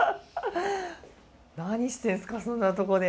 何してんすかそんなとこで。